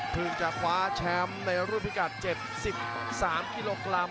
จะคว้าแชมป์ในรุ่นพิกัด๗๓กิโลกรัม